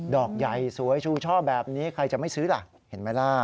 อกใหญ่สวยชูช่อแบบนี้ใครจะไม่ซื้อล่ะเห็นไหมล่ะ